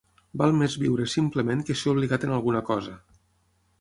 Val més viure simplement que ser obligat en alguna cosa.